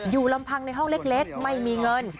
ลำพังในห้องเล็กไม่มีเงิน